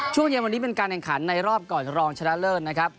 ช่วงเย็นวันนี้เป็นการแข่งขันในรอบก่อนรองชนะเลิศนะครับ